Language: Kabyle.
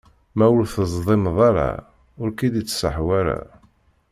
Ma ur teẓdimeḍ ara, ur k-id-ittṣaḥ wara.